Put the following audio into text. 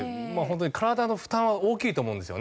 本当に体の負担は大きいと思うんですよね。